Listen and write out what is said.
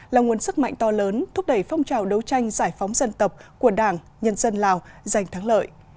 là nguồn sức mạnh to lớn thúc đẩy phong trào đấu tranh giải phóng dân tộc của đảng nhân dân lào giành thắng lợi